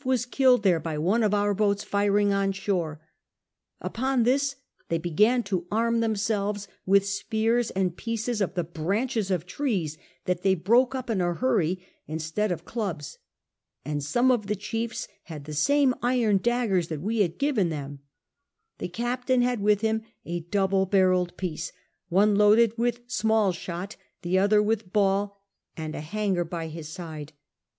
s killed there by one of our boats firing on shore ; upon this they began to arm themselves with spears and pieces of the branches of trees that they broke up in a hurry instead of clubs ; and some of the chiefs had the same iron daggers that we had given them ; the Caj)taiTi had with him a double barrelled piece, one loaded with .small shot, the other with ball, and a hanger by his side.